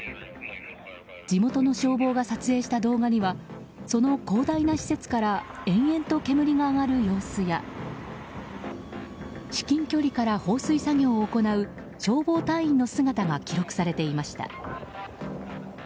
地元の消防が撮影した動画にはその広大な施設から延々と煙が上がる様子や至近距離から放水作業を行う消防隊員の姿が記録されていました。